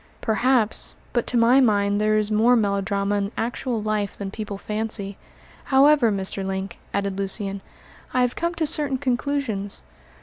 "Perhaps; but to my mind there is more melodrama in actual life than people fancy. However, Mr. Link," added Lucian, "I have come to certain conclusions.